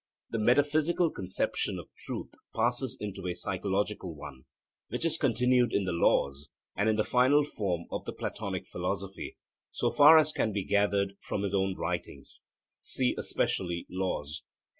The metaphysical conception of truth passes into a psychological one, which is continued in the Laws, and is the final form of the Platonic philosophy, so far as can be gathered from his own writings (see especially Laws).